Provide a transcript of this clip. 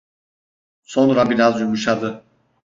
Sonra biraz yumuşadı.